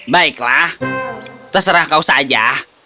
baiklah terserah kau saja